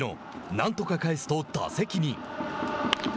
なんとか返すと打席に。